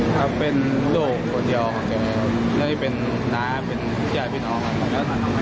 ครับเป็นลูกที่ออกของแกและนี่เป็นน้าเป็นสิ้นพินออกครับ